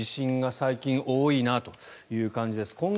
地震が最近多いなという感じです。